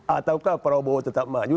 ataukah prabowo tetap maju